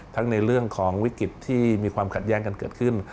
ทั้งในเรื่องของวิกฤตที่มีความขัดแย้งกันเกิดขึ้น